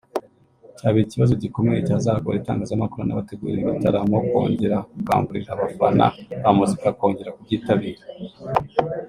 cyaba ikibazo gikomeye cyazagora itangazamakuru n'abategura ibitaramo kongera gukangurira abafana ba muzika kongera kubyitabira